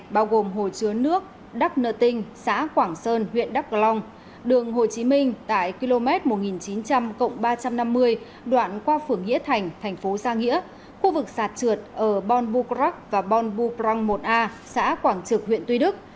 bao gồm hồ chứa nước đắk nơ tinh xã quảng sơn huyện đắk long đường hồ chí minh tại km một nghìn chín trăm linh ba trăm năm mươi đoạn qua phường nghĩa thành thành phố giang nghĩa khu vực sạt trượt ở bon bucrac và bon buprang một a xã quảng trực huyện tuy đức